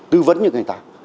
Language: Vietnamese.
tư vấn cho người ta